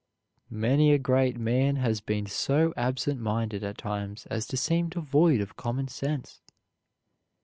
Many a great man has been so absent minded at times as to seem devoid of common sense.